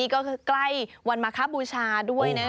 ก็ใกล้วันมขบูชาด้วย